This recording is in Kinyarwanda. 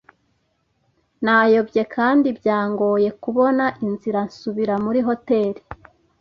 Nayobye kandi byangoye kubona inzira nsubira muri hoteri.